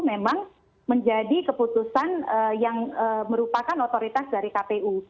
memang menjadi keputusan yang merupakan otoritas dari kpu